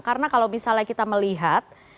karena kalau misalnya kita melihat